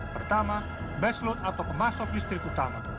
pertama baseload atau pemasok listrik utama